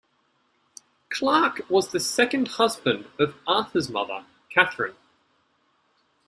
Clarke was the second husband of Arthur's mother Katherine.